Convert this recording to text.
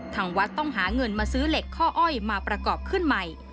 ทางวัดต้องหาเงินมาซื้อเหล็กข้ออ้อยมาประกอบขึ้นใหม่